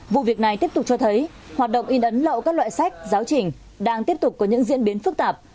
vụ việc này tiếp tục cho thấy hoạt động in ấn lậu các loại sách giáo trình đang tiếp tục có những diễn biến phức tạp